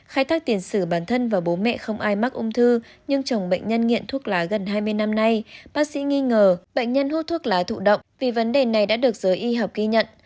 khai thác tiền sử bản thân và bố mẹ không ai mắc ung thư nhưng chồng bệnh nhân nghiện thuốc lá gần hai mươi năm nay bác sĩ nghi ngờ bệnh nhân hút thuốc lá thụ động vì vấn đề này đã được giới y học ghi nhận